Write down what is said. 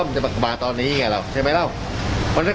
ใช่มั้ยเล้ว